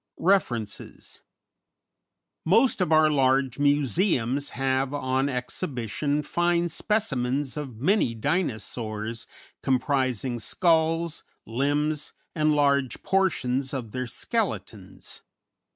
REFERENCES. _Most of our large museums have on exhibition fine specimens of many Dinosaurs, comprising skulls, limbs, and large portions of their skeletons.